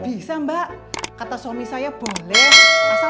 enak aja alia puasa